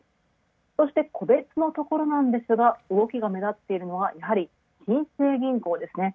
そして、個別のところですが、動きが目立っているのは銀行ですね。